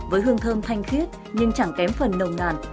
với hương thơm thanh tuyết nhưng chẳng kém phần nồng nàn